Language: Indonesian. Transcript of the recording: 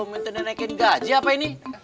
minta naikin gaji apa ini